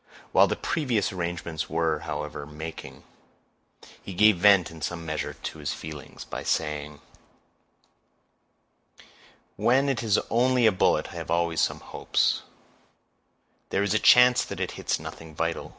While the previous arrangements were, however, making, he gave vent in some measure to his feelings, by saying,— "When it is only a bullet, I have always some hopes; there is a chance that it hits nothing vital.